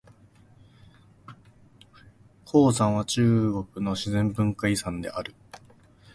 黄山は中国の自然文化遺産である。